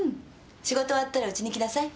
仕事終わったらうちに来なさい。